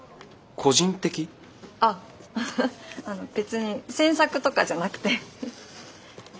あ別に詮索とかじゃなくて。